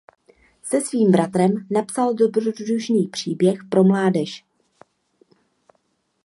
Se svým bratrem napsal dobrodružný příběh pro mládež.